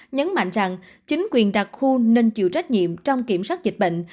nhấn mạnh rằng chính quyền đặc khu nên chịu trách nhiệm trong kiểm soát dịch bệnh